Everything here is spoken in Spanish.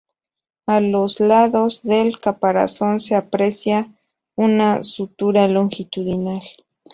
A los lados del caparazón se aprecia una sutura longitudinal.